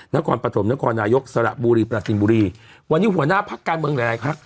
นครประทมนครนายกสระบุรีประสินบุรีวันนี้หัวหน้าภักดิ์การเมืองไหนภักดิ์